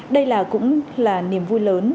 đây là cũng là niềm vui lớn